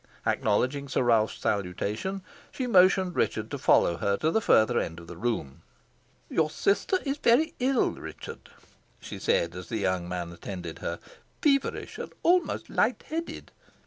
Acknowledging Sir Ralph's salutation, she motioned Richard to follow her to the further end of the room. "Your sister is very ill, Richard," she said, as the young man attended her, "feverish, and almost light headed.